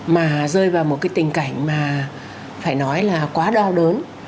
mà rơi vào một cái tình cảnh mà phải nói là quá đau đớn